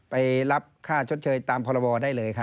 ไปรับค่าชดเชยตามพรบได้เลยครับ